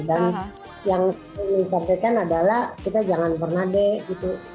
dan yang saya ingin sampaikan adalah kita jangan pernah deh gitu